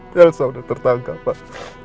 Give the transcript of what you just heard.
jelso udah tertangkap pak